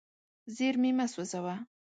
زیرمې مه سوځوه.